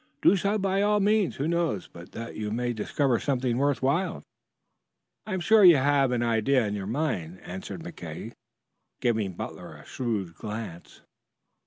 "Do so by all means. Who knows but that you may discover something worth while? I am sure you have an idea in your mind," answered McKay, giving Butler a shrewd glance.